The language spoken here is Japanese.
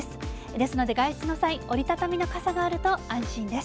ですので、外出の際、折り畳みの傘があると安心です。